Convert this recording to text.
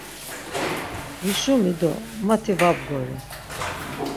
Vişumi do mati va bgori.